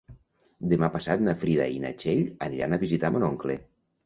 Demà passat na Frida i na Txell aniran a visitar mon oncle.